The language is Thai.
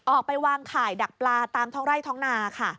ออกไปวางข่ายดักปลาตามท้องไร่ท้องนาค่ะ